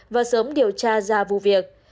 và sớm điều tra ra vụ việc